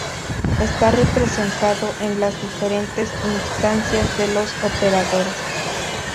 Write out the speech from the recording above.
Está representado en las diferentes instancias de los operadores.